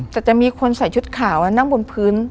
แต่จะมีคนใส่ชุดขาวนั่งบนพื้น